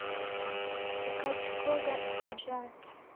Ukajikoja isu jake.